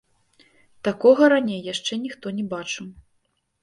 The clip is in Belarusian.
Такога раней яшчэ ніхто не бачыў.